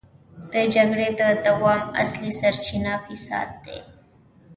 د جګړې د دوام اصلي سرچينه فساد دی.